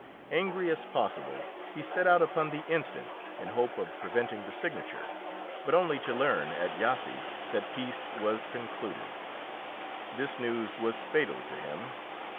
Angry as possible, he set out upon the instant in the hope of preventing the signature, but only to learn at Yassy that peace was concluded. This news was fatal to him.